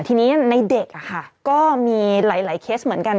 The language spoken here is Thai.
ทีนี้ในเด็กก็มีหลายเคสเหมือนกัน